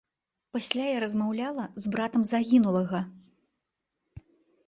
Пасля я размаўляла з братам загінулага.